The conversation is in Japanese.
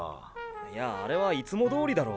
いやあれはいつもどおりだろう。